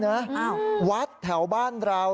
คุณแล้ววัดแถวบ้านเรา